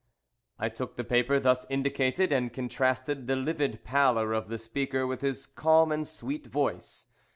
_" I took the paper thus indicated, and contrasted the livid pallor of the speaker with his calm and sweet voice.